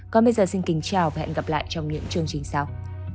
còn bây giờ xin kính chào và hẹn gặp lại trong những chương trình sau